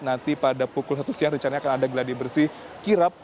nanti pada pukul satu siang rencana akan ada geladi bersih kirap